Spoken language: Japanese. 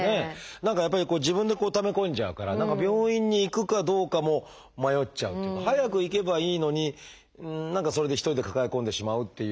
何かやっぱり自分でため込んじゃうから何か病院に行くかどうかも迷っちゃうっていうか早く行けばいいのに何かそれで一人で抱え込んでしまうっていう。